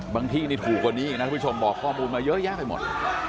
ที่นี่ถูกกว่านี้อีกนะทุกผู้ชมบอกข้อมูลมาเยอะแยะไปหมด